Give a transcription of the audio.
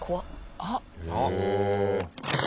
あっ！